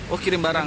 oh kirim barang